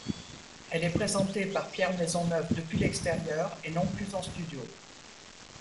Elle est présentée par Pierre Maisonneuve depuis l'extérieur et non plus en studio.